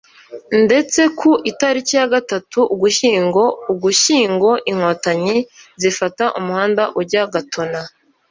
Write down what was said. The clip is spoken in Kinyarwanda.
ndetse ku itariki ya gatatu ugushyingo Ugushyingo Inkotanyi zifata umuhanda ujya Gatuna.